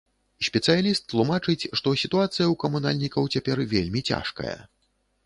Спецыяліст тлумачыць, што сітуацыя ў камунальнікаў цяпер вельмі цяжкая.